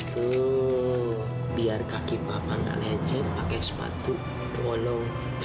tuh biar kaki papa nggak lejek pakai sepatu tuolong